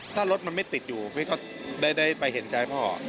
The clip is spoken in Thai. ถ้ารถมันไม่ติดอยู่พี่ก็ได้ไปเห็นใจพ่อ